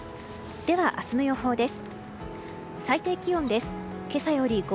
明日の予報です。